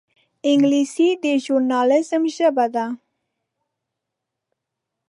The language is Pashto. انګلیسي د ژورنالېزم ژبه ده